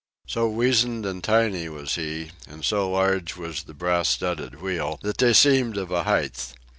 So weazened and tiny was he, and so large was the brass studded wheel, that they seemed of a height.